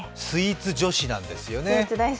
スイーツ女子なんですよね。